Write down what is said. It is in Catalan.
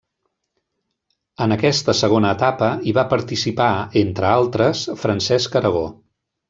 En aquesta segona etapa hi va participar, entre altres, Francesc Aragó.